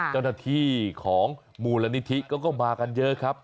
จรฐธีของมูลนิธิก็มากันเยอะครับ